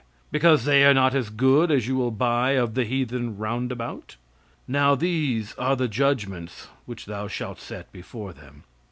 Because they are not as good as you will buy of the heathen roundabout. Now these are the judgments which thou shalt set before them.